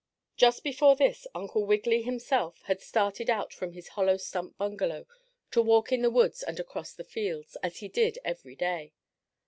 Just before this Uncle Wiggily himself had started out from his hollow stump bungalow to walk in the woods and across the fields, as he did every day.